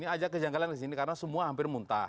ada kejanggalan di sini karena semua hampir muntah